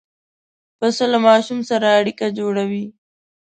پسه له ماشوم سره اړیکه جوړوي.